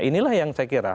inilah yang saya kira